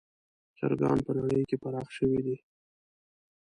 چرګان په نړۍ کې پراخ شوي دي.